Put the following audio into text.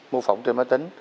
mô phỏng trên máy tính